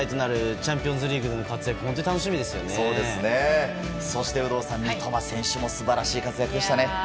チャンピオンズリーグでの活躍もそして有働さん、三笘選手も素晴らしい活躍でしたね。